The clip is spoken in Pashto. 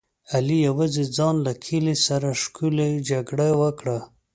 علي یوازې ځان له کلي سره ښکلې جګړه وکړه.